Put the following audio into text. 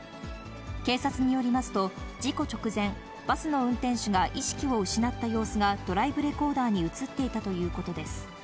警察によりますと、事故直前、バスの運転手が意識を失った様子がドライブレコーダーに写っていたということです。